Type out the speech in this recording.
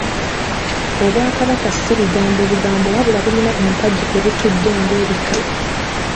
Obwakabaka ssi bigambo bugambo wabula bulina empagi kwebutudde ng'ebika.